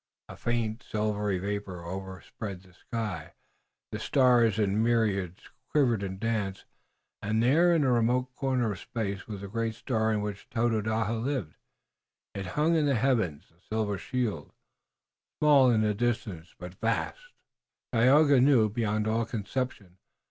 A faint silvery vapor overspread the sky, the stars in myriads quivered and danced, and there in a remote corner of space was the great star on which Tododaho lived. It hung in the heavens a silver shield, small in the distance, but vast, Tayoga knew, beyond all conception.